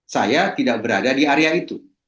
saya tidak berada di area itu